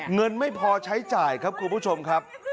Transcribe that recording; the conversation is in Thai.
เงินไม่พอใช้จ่ายครับคุณผู้ชมครับ